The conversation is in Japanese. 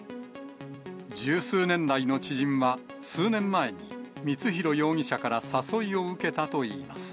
十数年来の知人は数年前に光弘容疑者から誘いを受けたといいます。